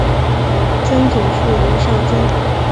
曾祖父吴绍宗。